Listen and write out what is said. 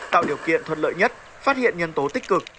tạo điều kiện thuận lợi nhất phát hiện nhân tố tích cực